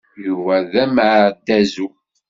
Yuba d ameɛdazu.